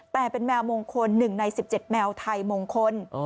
แต่เป็นแมวมงคล๑ใน๑๗แมวไทยมงคล